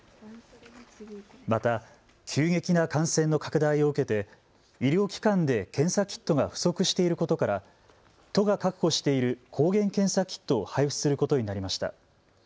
また急激な感染の拡大を受けて医療機関で検査キットが不足していることから都が確保している抗原検査キットを配布することになりました。